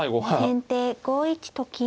先手５一と金。